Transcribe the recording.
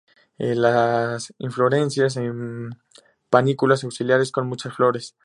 Las inflorescencias en panículas axilares, con muchas flores.